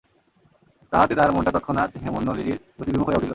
তাহাতে তাঁহার মনটা তৎক্ষণাৎ হেমনলিনীর প্রতি বিমুখ হইয়া উঠিল।